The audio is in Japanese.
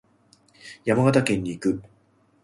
山形県に行く。